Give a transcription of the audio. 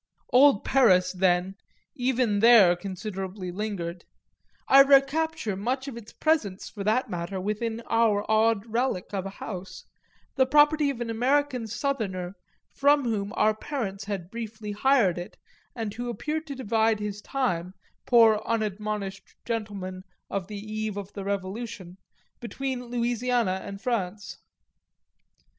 Old Paris then even there considerably lingered; I recapture much of its presence, for that matter, within our odd relic of a house, the property of an American southerner from whom our parents had briefly hired it and who appeared to divide his time, poor unadmonished gentleman of the eve of the Revolution, between Louisiana and France.